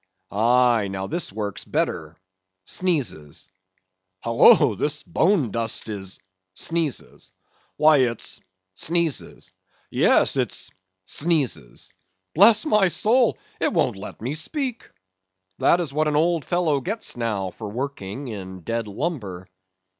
Aye, now, this works better. Halloa, this bone dust is —why it's —yes it's —bless my soul, it won't let me speak! This is what an old fellow gets now for working in dead lumber.